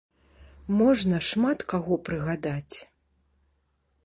Можна шмат каго прыгадаць.